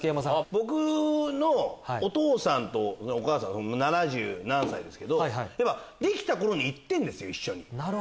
僕のお父さんとお母さん７０何歳ですけどできた頃に行ってるんですよ一緒に。